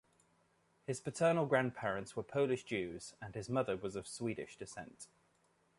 His paternal grandparents were Polish Jews and his mother was of Swedish descent.